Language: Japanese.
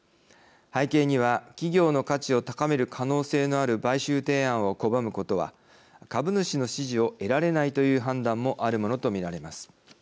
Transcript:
背景には企業の価値を高める可能性のある買収提案を拒むことは株主の支持を得られないという判断もあるものと見られます。